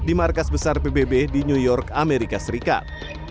di markas besar pbb di new york amerika serikat